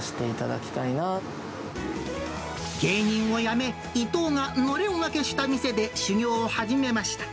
芸人を辞め、伊藤がのれん分けした店で修業を始めました。